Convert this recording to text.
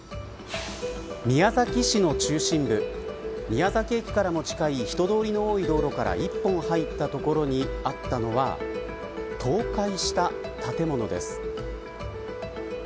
宮崎市の中心部宮崎駅からも近い人通りの多い道路から一本入った所にあったのは、倒壊した建物です。